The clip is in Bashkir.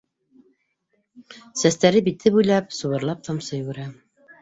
Сәстәре, бите буй лап субырлап тамсы йүгерә